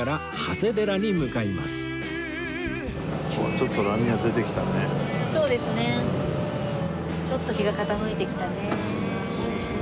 ちょっと日が傾いてきたね。